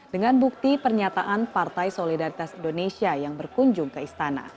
dengan bukti pernyataan partai solidaritas indonesia yang berkunjung ke istana